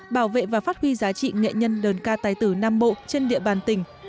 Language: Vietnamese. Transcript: bảo vệ và phát huy giá trị nghệ nhân đơn ca tài tử nam bộ trên địa bàn tỉnh